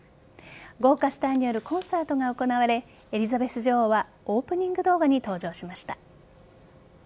豪華スターによるコンサートが行われエリザベス女王はオープニング動画に登場しました。